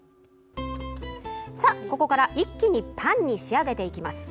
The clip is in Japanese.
ここから一気にパンに仕上げていきます。